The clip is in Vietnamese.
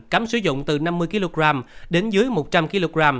cấm sử dụng từ năm mươi kg đến dưới một trăm linh kg